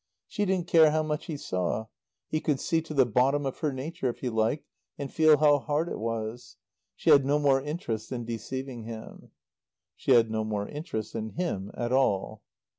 She didn't care how much he saw. He could see to the bottom of her nature, if he liked, and feel how hard it was. She had no more interest in deceiving him. She had no more interest in him at all.